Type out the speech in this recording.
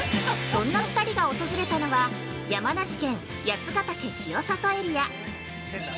◆そんな２人が訪れたのは山梨県八ヶ岳清里エリア。